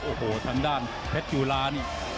โอ้โหทางด้านเพชรจุลานี่